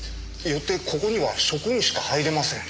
よってここには職員しか入れません。